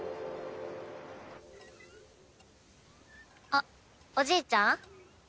あっおじいちゃん？